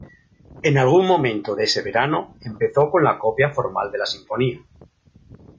En algún momento de ese verano empezó con la copia formal de la sinfonía.